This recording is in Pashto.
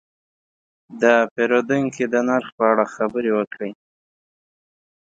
دا پیرودونکی د نرخ په اړه خبرې وکړې.